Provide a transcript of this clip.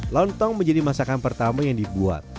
lontong menjadi masakan pertama yang dibuat